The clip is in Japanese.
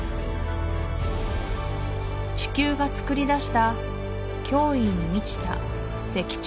地球がつくりだした驚異に満ちた石柱